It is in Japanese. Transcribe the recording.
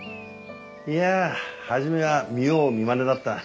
いやあ初めは見よう見まねだった。